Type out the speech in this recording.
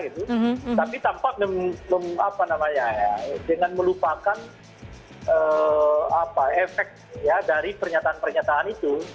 tapi tampak dengan melupakan efek dari pernyataan pernyataan itu